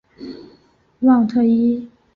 旺特伊。